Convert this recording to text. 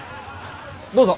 どうぞ。